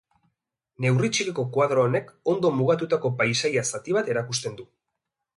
Neurri txikiko koadro honek ondo mugatutako paisaia-zati bat erakusten du.